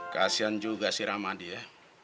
kasian juga si ramadi ya